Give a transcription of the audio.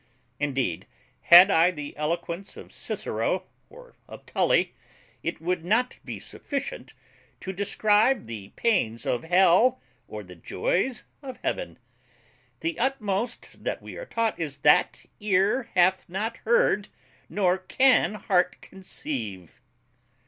Indeed, had I the eloquence of Cicero, or of Tully, it would not be sufficient to describe the pains of hell or the joys of heaven. The utmost that we are taught is, THAT EAR HATH NOT HEARD, NOR CAN HEART CONCEIVE.